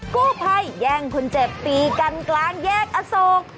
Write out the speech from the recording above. กู้ภัยแย่งคนเจ็บตีกันกลางแยกอโศก